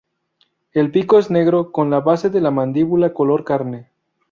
El pico es negro, con la base de la mandíbula color carne.